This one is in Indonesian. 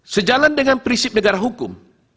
sejalan dengan prinsip negara hukum